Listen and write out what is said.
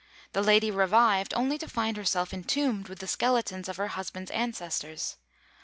The lady revived, only to find herself entombed with the skeletons of her husband's ancestors.